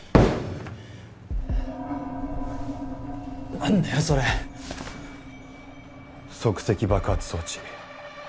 何だよそれ即席爆発装置